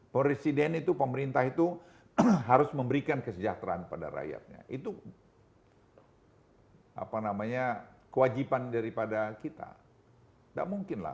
presiden itu pemerintah itu harus memberikan kesejahteraan pada rakyatnya itu apa namanya kewajiban daripada kita tidak mungkin lah